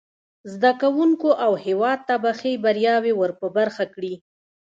زده کوونکو او هیواد ته به ښې بریاوې ور په برخه کړي.